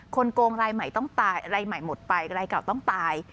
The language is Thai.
คนโกงไรหมดไปไรเก่าต้องตาย